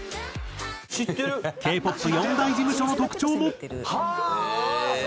Ｋ−ＰＯＰ４大事務所の特徴も。